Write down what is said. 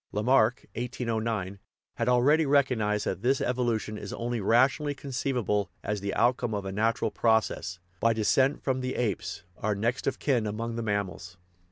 Lamarck (1809) had already recognized that this evolution is only rationally conceivable c.s the outcome of a natural process, by "descent from the apes," our next of kin among the mammals.